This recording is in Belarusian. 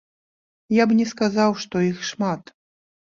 Я б не сказаў, што іх шмат.